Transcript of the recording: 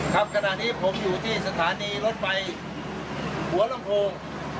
ขณะนี้ผมอยู่ที่สถานีรถไฟหัวลำโพง